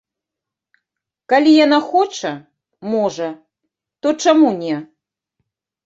Калі яна хоча, можа, то чаму не.